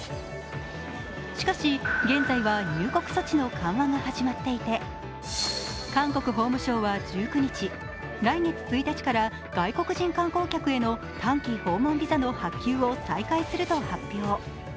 しかし、現在は入国措置の緩和が始まっていて韓国法務省は１９日、来月１日から外国人観光客への短期訪問ビザの発給を再開すると発表。